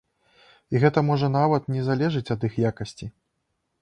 І гэта можа нават не залежыць ад іх якасці.